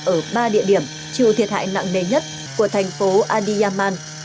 ở ba địa điểm chịu thiệt hại nặng nề nhất của thành phố adyaman